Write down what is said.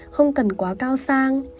không cần quá cao sang